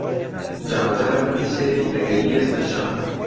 جارجار مووی سەری ئەگەییە سەر شان